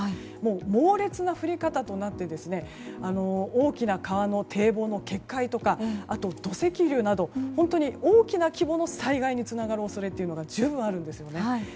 猛烈な降り方となって大きな川の堤防の決壊とか土石流など本当に大きな規模の災害につながる恐れというのが十分あるんですよね。